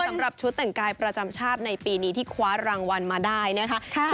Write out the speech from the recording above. สำหรับชุดแต่งกายประจำชาติในปีนี้ที่คว้ารางวัลมาได้นะคะ